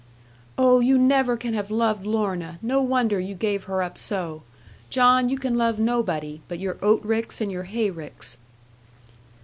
'Oh, you never can have loved Lorna! No wonder you gave her up so! John, you can love nobody, but your oat ricks, and your hay ricks.'